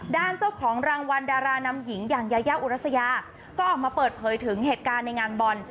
เจ้าของรางวัลดารานำหญิงอย่างยายาอุรัสยาก็ออกมาเปิดเผยถึงเหตุการณ์ในงานบอล